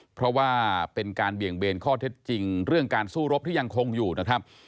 เพราะว่าเป็นการเบี่ยงเบนข้อเท็จจริงเรื่องการสู้รบที่ยังคงอยู่นะครับ